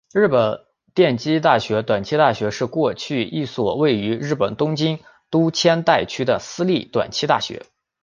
东京电机大学短期大学是过去一所位于日本东京都千代田区的私立短期大学。